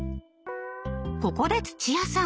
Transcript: ここで土屋さん